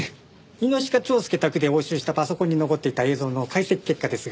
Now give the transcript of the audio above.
猪鹿蝶助宅で押収したパソコンに残っていた映像の解析結果ですが。